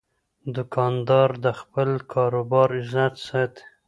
دوکاندار د خپل کاروبار عزت ساتي.